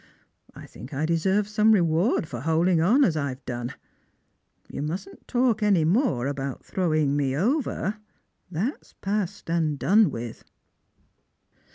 I think I deserve some reward for holding on as I've done. You mustn't talk any more about throwing me over; that's past and done with."